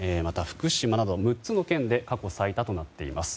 福島など６つの県で過去最多となっています。